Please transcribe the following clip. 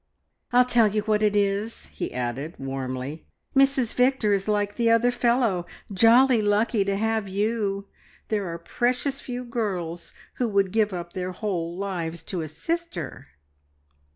"I'll tell you what it is," he added warmly, "Mrs Victor is like the other fellow jolly lucky to have you! There are precious few girls who would give up their whole lives to a sister."